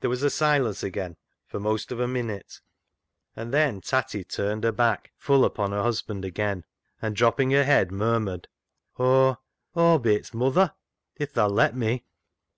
There was silence again for most of a minute, and then Tatty turned her back full upon her husband again, and dropping her head, murmured —" Aw — Aw'll be its muther, if tha'll let me."